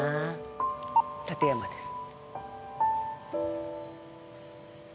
立山です。